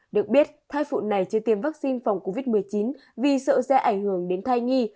được biết thai phụ này chưa tiêm vaccine phòng covid một mươi chín vì sợ sẽ ảnh hưởng đến thai nhi